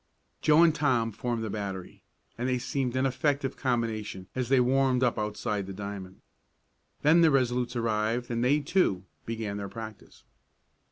Joe and Tom formed the battery, and they seemed an effective combination as they warmed up outside the diamond. Then the Resolutes arrived and they, too, began their practice.